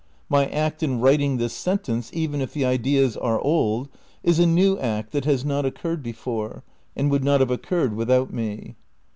My act in writing this sentence (even if the ideas are old) is a new act that has not occurred before and would not have occurred without me.